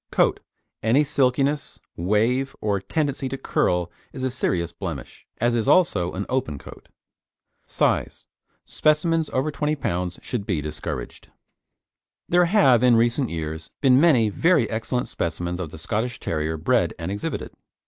COAT Any silkiness, wave or tendency to curl is a serious blemish, as is also an open coat. SIZE Specimens of over 20 lb. should be discouraged. There have, of recent years, been many very excellent specimens of the Scottish Terrier bred and exhibited.